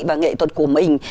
và nghệ thuật của mình